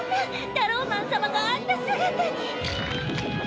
タローマン様があんな姿に！